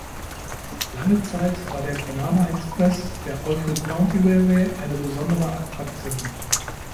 Lange Zeit war der "Banana Express" der Alfred County Railway eine besondere Attraktion.